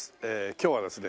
今日はですね